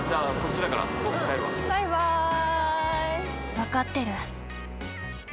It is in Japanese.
分かってる。